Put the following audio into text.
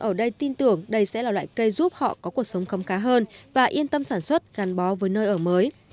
bà con ở đây tin tưởng đây sẽ là loại cây giúp họ có cuộc sống không khá hơn và yên tâm sản xuất gắn bó với nơi ở mới